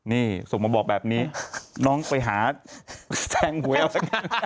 นี่ส่งมาบอกแบบนี้น้องไปหาแสงหัวแล้วกัน